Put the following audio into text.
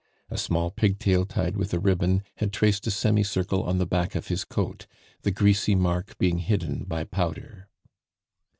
A small pigtail tied with a ribbon had traced a semicircle on the back of his coat, the greasy mark being hidden by powder.